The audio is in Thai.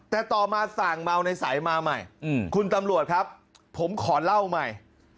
แต่ต่อมาสั่งเมาในสายมาใหม่คุณตำรวจครับผมขอเล่าใหม่